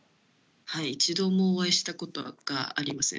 はい一度もお会いしたことがありません。